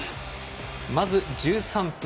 まず１３分。